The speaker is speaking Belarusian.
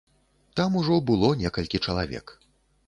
Там ужо было некалькі чалавек.